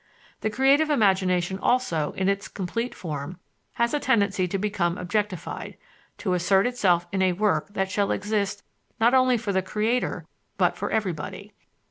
The creative imagination also, in its complete form, has a tendency to become objectified, to assert itself in a work that shall exist not only for the creator but for everybody.